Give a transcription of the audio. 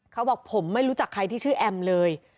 เขาบอกผมไม่รู้จักใครที่ชื่อแอมเลย